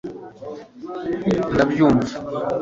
ndabyumva